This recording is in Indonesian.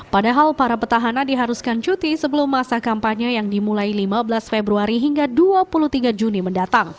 padahal para petahana diharuskan cuti sebelum masa kampanye yang dimulai lima belas februari hingga dua puluh tiga juni mendatang